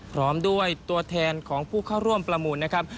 พร้อมด้วยตัวแทนของผู้เข้าร่วมประมูลนะครับ